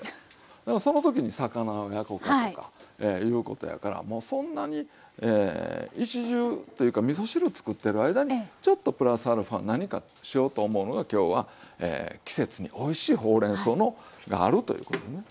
だからその時に魚を焼こかとかいうことやからもうそんなに一汁というかみそ汁作ってる間にちょっとプラスアルファ何かしようと思うのが今日は季節においしいほうれんそうがあるということですね。